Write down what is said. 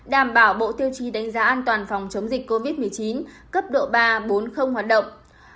đảm bảo bộ tiêu chí đánh giá an toàn phòng chống dịch covid một mươi chín cấp độ ba bốn hoạt động